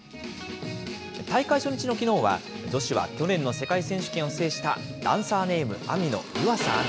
大会初日のきのうは、女子は去年の世界選手権を制したダンサーネーム、ＡＭＩの湯浅亜実。